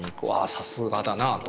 さすがだなと。